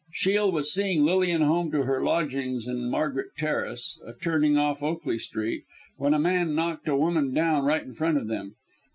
Shiel was seeing Lilian home to her lodgings in Margaret Terrace, a turning off Oakley Street, when a man knocked a woman down right in front of them.